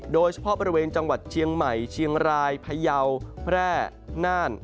โดยเฉพาะบริเวณจังหวัดเชียงใหม่เชียงรายพยาวแพร่น่าน